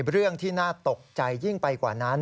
เรื่องที่น่าตกใจยิ่งไปกว่านั้น